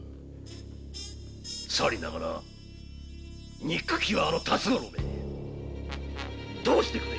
さりながらにっくきは辰五郎どうしてくれる。